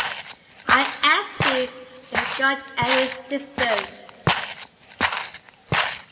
I asked you if you'd got any sisters.